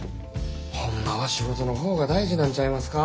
ホンマは仕事の方が大事なんちゃいますか？